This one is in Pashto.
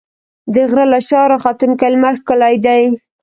د غره له شا راختونکی لمر ښکلی دی.